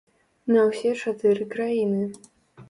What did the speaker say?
На ўсе чатыры краіны.